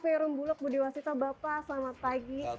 perunggulak budi waseso bapak selamat pagi